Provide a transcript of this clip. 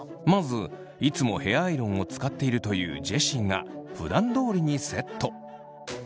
まずいつもヘアアイロンを使っているというジェシーがふだんどおりにセット。